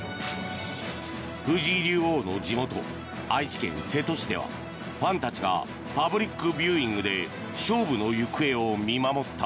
藤井竜王の地元愛知県瀬戸市ではファンたちがパブリックビューイングで勝負の行方を見守った。